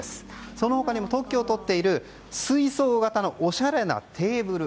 その他にも、特許を取っている水槽型のおしゃれなテーブル。